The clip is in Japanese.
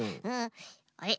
あれ？